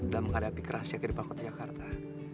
dan menghadapi kerasnya kehidupan kota jakarta